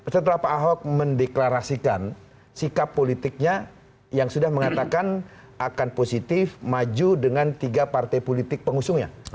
setelah pak ahok mendeklarasikan sikap politiknya yang sudah mengatakan akan positif maju dengan tiga partai politik pengusungnya